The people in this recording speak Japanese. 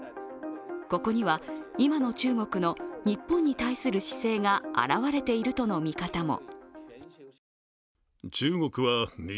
ここには今の中国の日本に対する姿勢が現れているとの見方も。